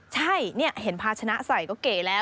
ใช่นี่เห็นภาชนะใส่ก็เก๋แล้ว